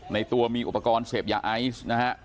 ในตัวมีอุปกรณ์เสพยาไอซ์นะฮะ